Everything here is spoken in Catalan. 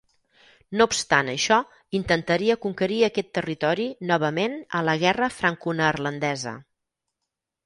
No obstant això, intentaria conquerir aquest territori novament a la Guerra Franconeerlandesa.